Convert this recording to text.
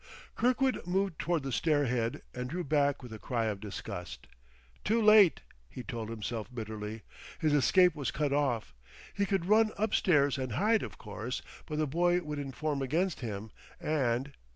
Kirkwood moved toward the stair head, and drew back with a cry of disgust. "Too late!" he told himself bitterly; his escape was cut off. He could run up stairs and hide, of course, but the boy would inform against him and....